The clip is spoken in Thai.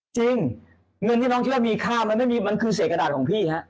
จริงเงินที่น้องคิดว่ามีค่ามันไม่มีมันคือเศษกระดาษของพี่ฮะ